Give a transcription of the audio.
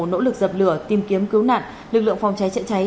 nỗ lực dập lửa tìm kiếm cứu nạn lực lượng phòng cháy chữa cháy